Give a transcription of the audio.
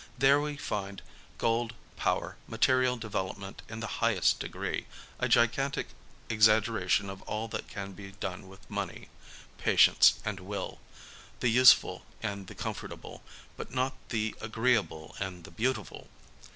There we find gold, power, material development in the highest degree, a gigantic exaggeration of all that can be done with money, patience and will ^ the useful and the comfortable, but not the agreeable and the beautiful.